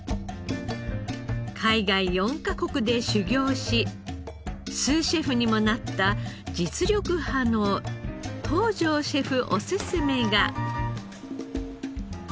海外４カ国で修業しスーシェフにもなった実力派の東條シェフおすすめが。